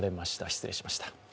失礼しました。